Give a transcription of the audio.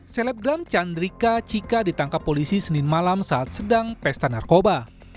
selebgram chandrika cika ditangkap polisi senin malam saat sedang pesta narkoba